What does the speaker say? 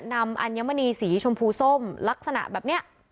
อัญมณีสีชมพูส้มลักษณะแบบนี้